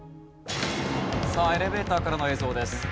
さあエレベーターからの映像です。